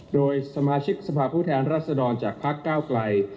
โดยสมาชิกสภาพผู้แทนรัศดรจากพักก้าวไกล